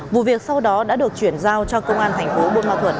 vụ việc sau đó đã được chuyển giao cho công an thành phố buôn ma thuật